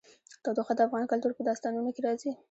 تودوخه د افغان کلتور په داستانونو کې راځي.